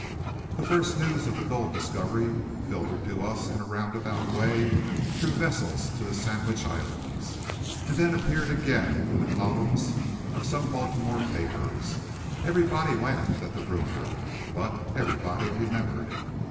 The first news of the gold discovery filtered to us in a roundabout way through vessels to the Sandwich Islands, and then appeared again in the columns of some Baltimore paper. Everybody laughed at the rumour; but everybody remembered it.